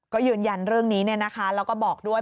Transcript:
ก็ยืนยันเรื่องนี้แล้วก็บอกด้วย